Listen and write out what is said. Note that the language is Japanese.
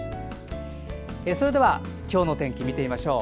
それでは今日の天気見てみましょう。